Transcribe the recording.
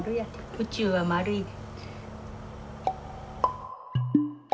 宇宙は丸いで。